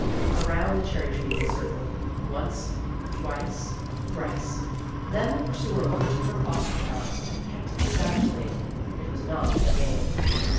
Around the cherry tree they circled, once, twice, thrice. Then the pursuer overtook her foster child, and pecked him savagely. It was not a game.